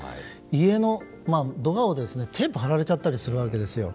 家のドアにテープを貼られたりするわけですよ。